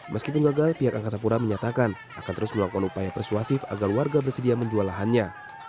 meskipun gagal pihak angkasa pura menyatakan akan terus melakukan upaya persuasif agar warga bersedia menjual lahannya